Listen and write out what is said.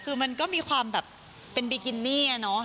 คือมันก็มีความแบบเป็นบิกินี่อะเนาะ